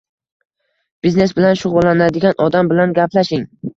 biznes bilan shugʻullanadigan odam bilan gaplashing.